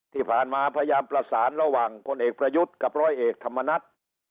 ที่ผ่านมาพยายามประสานระหว่างพลเอกประยุทธ์กับร้อยเอกธรรมนัฐ